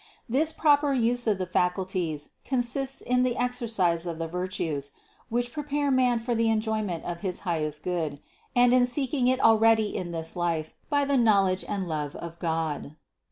This proper use of the faculties consists in the exercise of the virtues, which prepare man for the enjoyment of his highest good, and in seeking it already in this life by the knowledge and love of God.